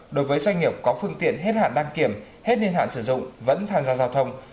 đối với doanh nghiệp có phương tiện hết hạn đăng kiểm hết niên hạn sử dụng vẫn tham gia giao thông